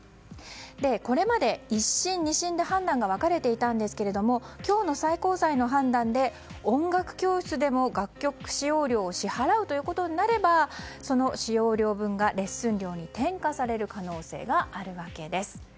これまで１審、２審で判断が分かれていたんですが今日の最高裁の判断で音楽教室でも楽曲使用料を支払うということになればその使用料分がレッスン料に転嫁される可能性があるわけです。